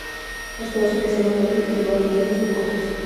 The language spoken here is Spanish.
Esto hace que sea más fácil observar Deimos que Fobos.